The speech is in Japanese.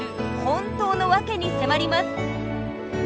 本当のワケに迫ります。